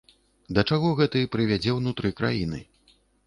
Да чаго гэты прывядзе ўнутры краіны?